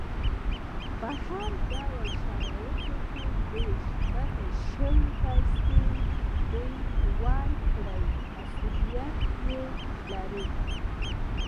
په هر ډول شرایطو کې د ژمنه شویو پیسو د ورکړې مسولیت لري.